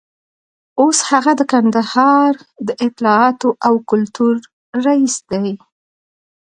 اوس هغه د کندهار د اطلاعاتو او کلتور رییس دی.